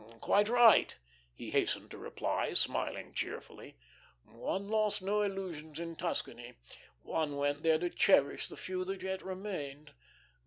"Quite right," he hastened to reply, smiling cheerfully. "One lost no illusions in Tuscany. One went there to cherish the few that yet remained.